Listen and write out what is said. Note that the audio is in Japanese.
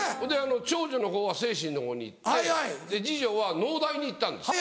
長女のほうは聖心のほうに行って次女は農大に行ったんです。